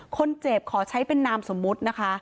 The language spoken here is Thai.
คนเจ็บขอใช้เป็นนามสมมุตินะคะ